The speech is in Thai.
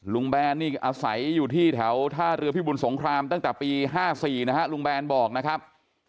แบนนี่อาศัยอยู่ที่แถวท่าเรือพิบุญสงครามตั้งแต่ปี๕๔นะฮะลุงแบนบอกนะครับ